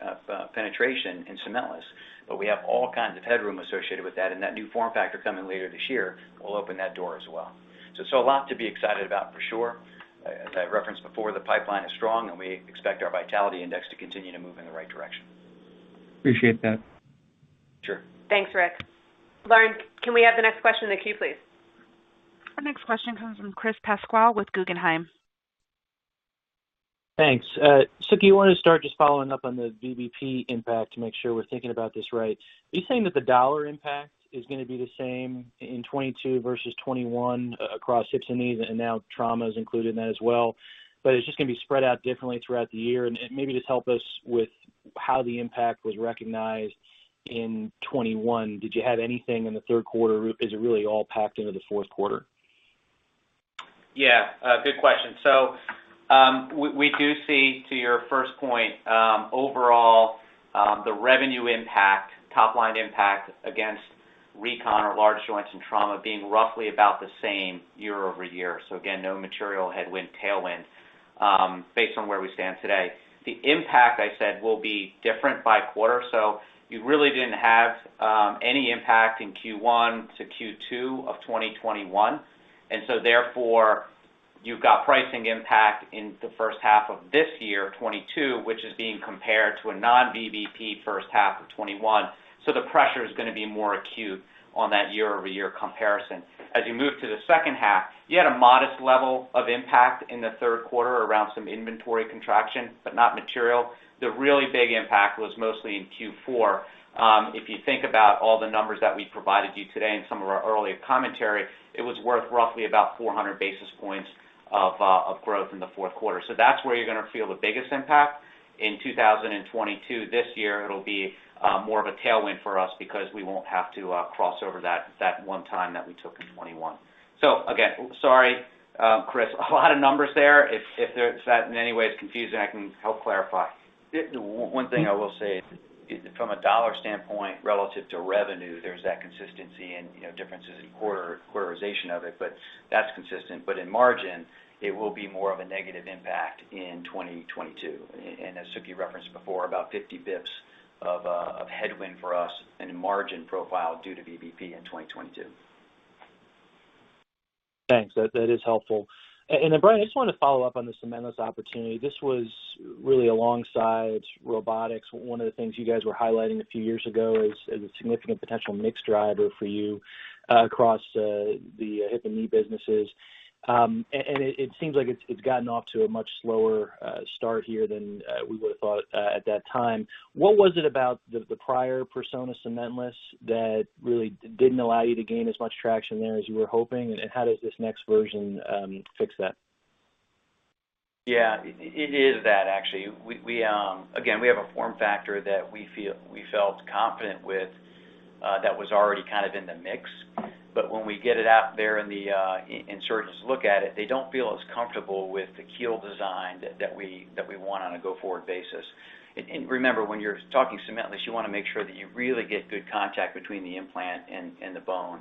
of penetration in cementless, but we have all kinds of headroom associated with that, and that new form factor coming later this year will open that door as well. A lot to be excited about for sure. As I referenced before, the pipeline is strong, and we expect our vitality index to continue to move in the right direction. Appreciate that. Sure. Thanks, Rick. Lauren, can we have the next question in the queue, please? Our next question comes from Chris Pasquale with Guggenheim. Thanks. Suky, I want to start just following up on the VBP impact to make sure we're thinking about this right. Are you saying that the dollar impact is going to be the same in 2022 versus 2021 across hips and knees, and now trauma is included in that as well, but it's just going to be spread out differently throughout the year? Maybe just help us with how the impact was recognized in 2021. Did you have anything in the Q3? Is it really all packed into the Q4? Good question. We do see, to your first point, overall, the revenue impact, top line impact against recon or large joints and trauma being roughly about the same year-over-year. Again, no material headwind, tailwind, based on where we stand today. The impact, I said, will be different by quarter. You really didn't have any impact in Q1 to Q2 of 2021, and therefore you've got pricing impact in the H1 of this year, 2022, which is being compared to a non-VBP H1 of 2021. The pressure is going to be more acute on that year-over-year comparison. As you move to the H2, you had a modest level of impact in the Q3 around some inventory contraction, but not material. The really big impact was mostly in Q4. If you think about all the numbers that we provided you today and some of our earlier commentary, it was worth roughly about 400 basis points of growth in the Q4. That's where you're going to feel the biggest impact. In 2022, this year, it'll be more of a tailwind for us because we won't have to cross over that one time that we took in 2021. Again, sorry, Chris, a lot of numbers there. If that in any way is confusing, I can help clarify. Yeah. One thing I will say is from a dollar standpoint relative to revenue, there's that consistency and, you know, differences in quarterization of it, but that's consistent. In margin, it will be more of a negative impact in 2022. As Suky referenced before, about 50 BPS of headwind for us in margin profile due to VBP in 2022. Thanks. That is helpful. Bryan, I just wanted to follow up on the cementless opportunity. This was really alongside robotics. One of the things you guys were highlighting a few years ago as a significant potential mix driver for you across the hip and knee businesses. It seems like it's gotten off to a much slower start here than we would've thought at that time. What was it about the prior Persona cementless that really didn't allow you to gain as much traction there as you were hoping? How does this next version fix that? Yeah. It is that actually. We again have a form factor that we felt confident with that was already kind of in the mix. But when we get it out there and surgeons look at it, they don't feel as comfortable with the keel design that we want on a going forward basis. Remember, when you're talking cementless, you want to make sure that you really get good contact between the implant and the bone.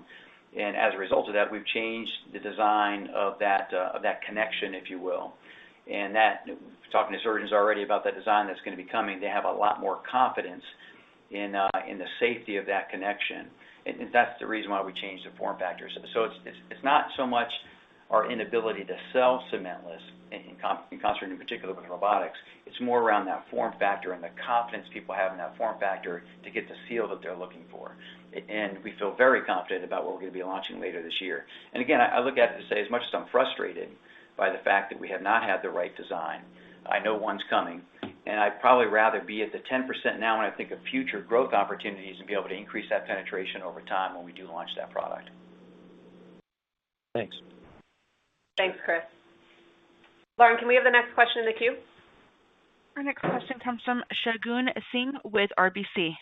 As a result of that, we've changed the design of that connection, if you will. Talking to surgeons already about that design that's going to be coming, they have a lot more confidence in the safety of that connection. That's the reason why we changed the form factor. It's not so much our inability to sell cementless in constant, in particular with robotics. It's more around that form factor and the confidence people have in that form factor to get the seal that they're looking for. We feel very confident about what we're going to be launching later this year. Again, I look at it to say as much as I'm frustrated by the fact that we have not had the right design, I know one's coming, and I'd probably rather be at the 10% now when I think of future growth opportunities and be able to increase that penetration over time when we do launch that product. Thanks. Thanks, Chris. Lauren, can we have the next question in the queue? Our next question comes from Shagun Singh with RBC.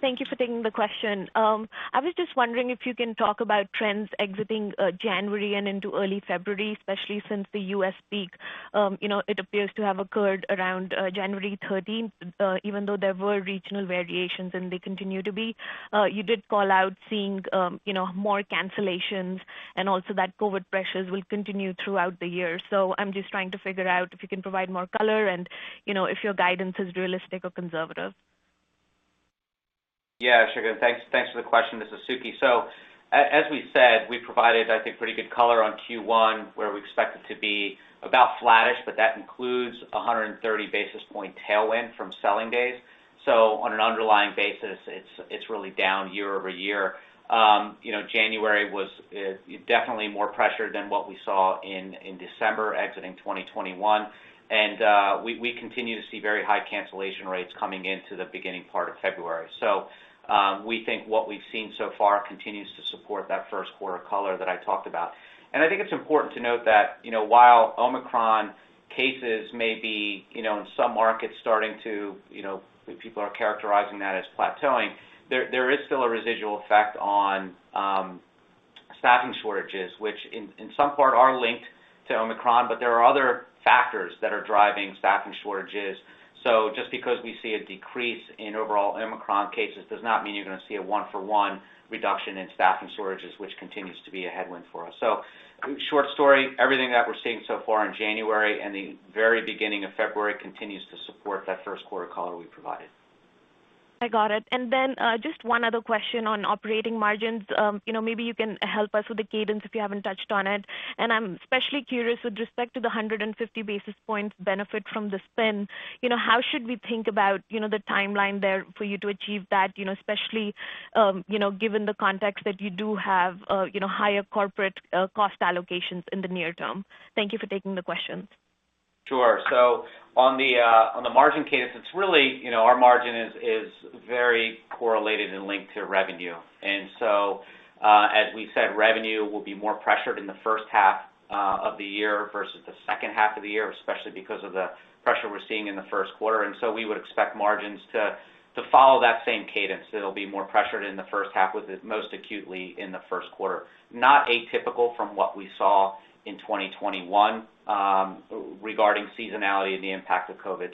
Thank you for taking the question. I was just wondering if you can talk about trends exiting January and into early February, especially since the U.S. peak, you know, it appears to have occurred around January 13, even though there were regional variations and they continue to be. You did call out seeing, you know, more cancellations and also that COVID pressures will continue throughout the year. I'm just trying to figure out if you can provide more color and, you know, if your guidance is realistic or conservative. Yeah, sure. Thanks for the question. This is Suky. We said, we provided, I think, pretty good color on Q1, where we expect it to be about flattish, but that includes 100 basis point tailwind from selling days. On an underlying basis, it's really down year-over-year. You know, January was definitely more pressure than what we saw in December exiting 2021. We continue to see very high cancellation rates coming into the beginning part of February. We think what we've seen so far continues to support that Q1 color that I talked about. I think it's important to note that, you know, while Omicron cases may be, you know, in some markets starting to, you know, people are characterizing that as plateauing. There is still a residual effect on staffing shortages, which in some part are linked to Omicron, but there are other factors that are driving staffing shortages. Just because we see a decrease in overall Omicron cases does not mean you're going to see a one for one reduction in staffing shortages, which continues to be a headwind for us. Short story, everything that we're seeing so far in January, and the very beginning of February continues to support that Q1 color we provided. I got it. Then just one other question on operating margins. You know, maybe you can help us with the cadence if you haven't touched on it. I'm especially curious with respect to the 150 basis points benefit from the spend. You know, how should we think about, you know, the timeline there for you to achieve that, you know, especially, you know, given the context that you do have, you know, higher corporate cost allocations in the near term? Thank you for taking the questions. Sure. On the margin cadence, it's really, you know, our margin is very correlated and linked to revenue. As we said, revenue will be more pressured in the H1 of the year versus the H2 of the year, especially because of the pressure we're seeing in the Q1. We would expect margins to follow that same cadence. It'll be more pressured in the H1 with it most acutely in the Q1. Not atypical from what we saw in 2021, regarding seasonality and the impact of COVID.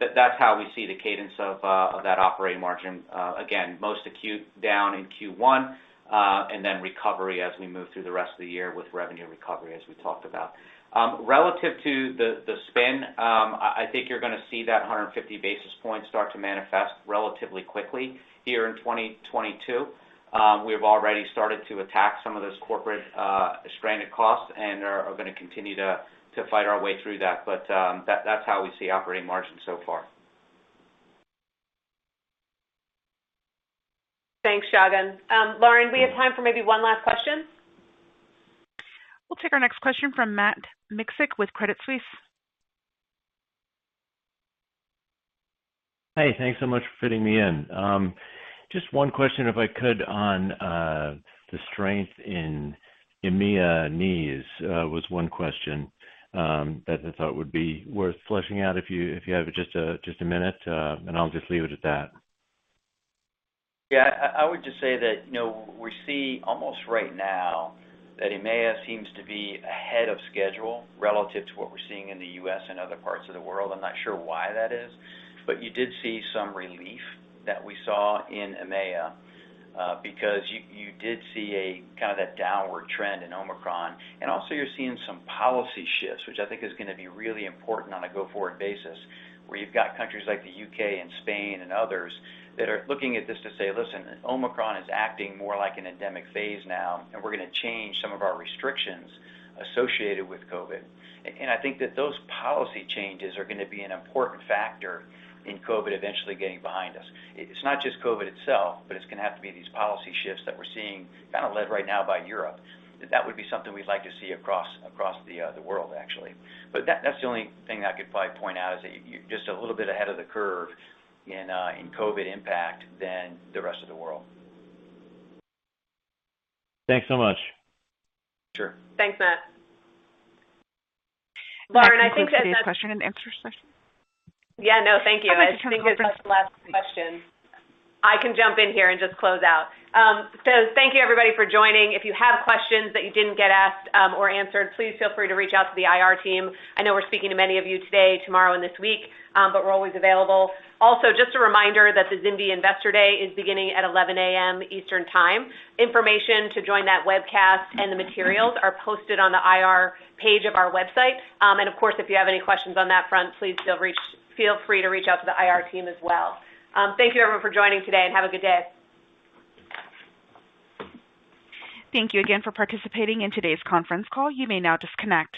That's how we see the cadence of that operating margin. Again, most acute down in Q1, and then recovery as we move through the rest of the year with revenue recovery, as we talked about. Relative to the spend, I think you're going to see that 150 basis points start to manifest relatively quickly here in 2022. We've already started to attack some of those corporate stranded costs and are going to continue to fight our way through that. That's how we see operating margins so far. Thanks, Shagun. Lauren, we have time for maybe one last question. We'll take our next question from Matt Miksic with Credit Suisse. Hey, thanks so much for fitting me in. Just one question, if I could, on the strength in EMEA knees that I thought would be worth fleshing out if you have just a minute, and I'll just leave it at that. Yeah. I would just say that, you know, we see almost right now that EMEA seems to be ahead of schedule relative to what we're seeing in the U.S. and other parts of the world. I'm not sure why that is, but you did see some relief that we saw in EMEA, because you did see a kind of that downward trend in Omicron. Also you're seeing some policy shifts, which I think is going to be really important on a go-forward basis, where you've got countries like the U.K. and Spain and others that are looking at this to say, "Listen, Omicron is acting more like an endemic phase now, and we're going to change some of our restrictions associated with COVID." I think that those policy changes are going to be an important factor in COVID eventually getting behind us. It's not just COVID itself, but it's going to have to be these policy shifts that we're seeing kind of led right now by Europe, that would be something we'd like to see across the world, actually. That's the only thing I could probably point out is that you're just a little bit ahead of the curve in COVID impact than the rest of the world. Thanks so much. Sure. Thanks, Matt. Lauren, I think that's. Matt, can you close today's question and answer session? Yeah, no, thank you. I was just trying to open up- I think it's just the last question. I can jump in here and just close out. So thank you everybody for joining. If you have questions that you didn't get asked, or answered, please feel free to reach out to the IR team. I know we're speaking to many of you today, tomorrow, and this week, but we're always available. Also, just a reminder that the ZimVie Investor Day is beginning at 11 A.M. Eastern Time. Information to join that webcast and the materials are posted on the IR page of our website. Of course, if you have any questions on that front, please feel free to reach out to the IR team as well. Thank you everyone for joining today, and have a good day. Thank you again for participating in today's conference call. You may now disconnect.